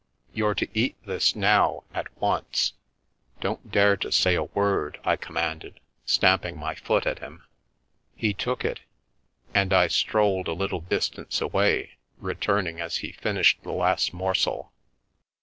You're to eat this, now, at once. Don't dare to say a word," I commanded, stamping my foot at him. He took it, and I strolled a little distance away, returning as he finished the last morsel.